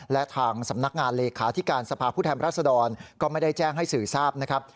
และทางสำนักงานเลขาธิการสภาพผู้แทนรัศดรก็ไม่ได้แจ้งให้สื่อทราบนะครับ